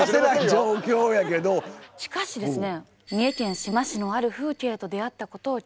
しかしですね